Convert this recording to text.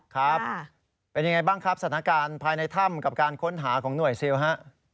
ครับเป็นยังไงบ้างครับสถานการณ์ภายในถ้ำกับการค้นหาของหน่วยซิลฮะ